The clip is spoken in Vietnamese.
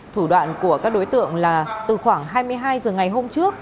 thủ đoạn của các đối tượng là từ khoảng hai mươi hai h ngày hôm trước